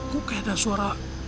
kok kayak ada suara